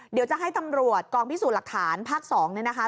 เดี๋ยวจะให้ตำรวจกองพิสูจน์หลักฐานภาค๒เนี่ยนะคะ